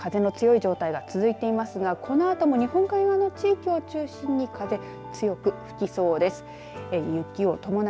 そして、きょうも風の強い状態が続いていますがこのあとも日本海側の地域を中心に風、強く吹きそうです。